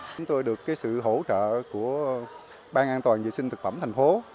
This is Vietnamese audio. chúng tôi được sự hỗ trợ của ban an toàn vệ sinh thực phẩm thành phố